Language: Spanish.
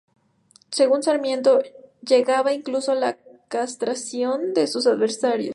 Según Sarmiento, llegaba incluso a la castración de sus adversarios.